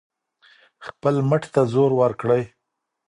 خپل مټ ته زور ورکړئ.